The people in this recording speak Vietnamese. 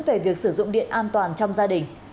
về việc sử dụng điện an toàn trong gia đình